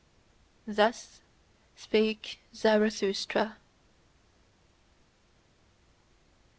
Thus spake Zarathustra.